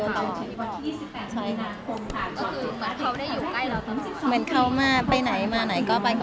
ก็รู้จึงเขาเหมือนเขาอยู่กับนายตลอดค่ะ